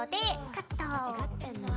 カット。